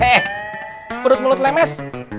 eh perut mulut lemes